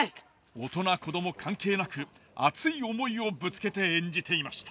大人子ども関係なく熱い思いをぶつけて演じていました。